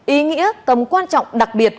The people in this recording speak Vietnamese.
ý nghĩa tầm quan trọng đặc biệt